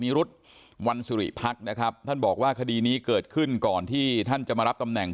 รุธวันสุริพักนะครับท่านบอกว่าคดีนี้เกิดขึ้นก่อนที่ท่านจะมารับตำแหน่ง